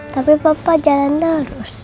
tapi papa jalan terus